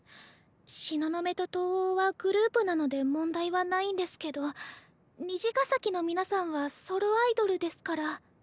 東雲と藤黄はグループなので問題はないんですけど虹ヶ咲の皆さんはソロアイドルですから。